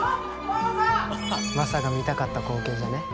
マサが見たかった光景じゃねえ？